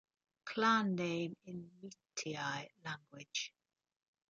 Clan name in Meetei language